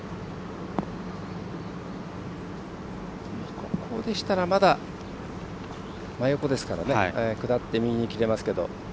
ここでしたらまだ真横ですから下って右に切れますけど。